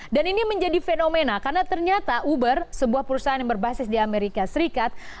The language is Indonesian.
dan ini menjadi fenomena karena ternyata uber sebuah perusahaan yang berbasis di amerika serikat